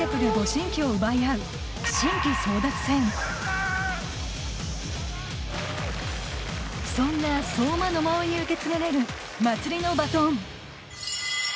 神旗を奪い合うそんな相馬野馬追に受け継がれるまつりのバトン